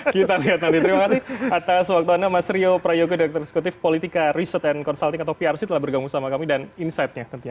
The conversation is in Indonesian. kita lihat nanti terima kasih atas waktu anda mas rio prayoga direktur eksekutif politika research and consulting atau prc telah bergabung sama kami dan insightnya tentunya